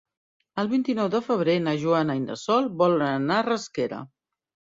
El vint-i-nou de febrer na Joana i na Sol volen anar a Rasquera.